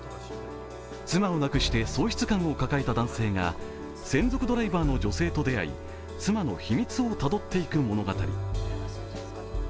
妻を亡くして喪失感を抱えた男性が専属ドライバーの女性と出会い妻の秘密をたどっていく物語。